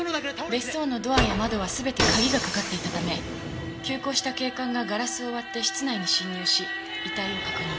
別荘のドアや窓は全て鍵がかかっていたため急行した警官がガラスを割って室内に侵入し遺体を確認。